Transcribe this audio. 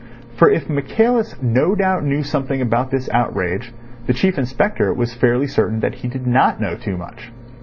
For, if Michaelis no doubt knew something about this outrage, the Chief Inspector was fairly certain that he did not know too much.